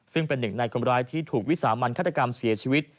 ซึ่งเป็นหนึ่งในคนร้ายที่ถูกวิสามันฆาตกรรมเสียชีวิต